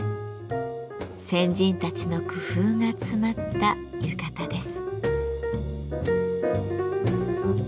先人たちの工夫が詰まった浴衣です。